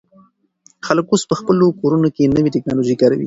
خلک اوس په خپلو کورونو کې نوې ټیکنالوژي کاروي.